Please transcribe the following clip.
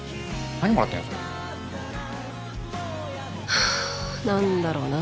はあなんだろうな